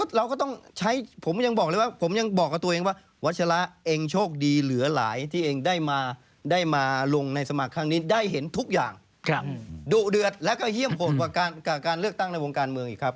โดะเดือดและให้ห่วงกว่าการเลือกตั้งในวงการเมืองอีกครับ